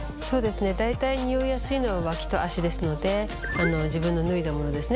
大体ニオイやすいのは脇と足ですので自分の脱いだものですね